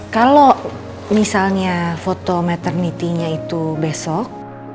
kalau misalnya foto meternity nya itu besok